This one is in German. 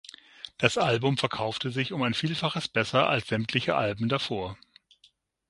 Das Album verkaufte sich um ein Vielfaches besser als sämtliche Alben davor.